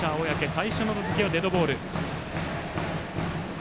最初の打席はデッドボール。